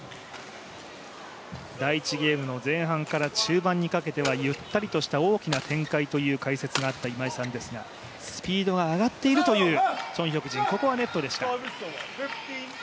第１ゲームの前半から中盤にかけてはゆったりとした展開という解説があった今井さんですが、スピードが上がっているというチョン・ヒョクジン。